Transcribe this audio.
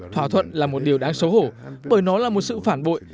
thỏa thuận là một điều đáng xấu hổ bởi nó là một sự phản bội